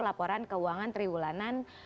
laporan keuangan triwulanan